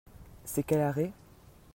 C'est quel arrêt ?